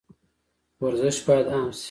ورزش باید عام شي